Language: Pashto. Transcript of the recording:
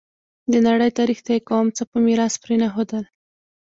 د نړۍ تاریخ ته یې کوم څه په میراث پرې نه ښودل.